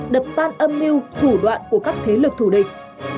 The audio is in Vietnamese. đập tan âm mưu thủ đoạn của các thế lực thù địch